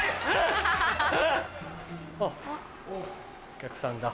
お客さんだ。